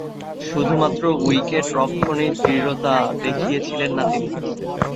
শুধুমাত্র উইকেট-রক্ষণেই দৃঢ়তা দেখিয়েছিলেন না তিনি।